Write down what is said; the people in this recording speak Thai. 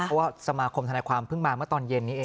เพราะว่าสมาคมธนายความเพิ่งมาเมื่อตอนเย็นนี้เอง